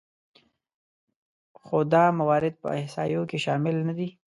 خو دا موارد په احصایو کې شامل نهدي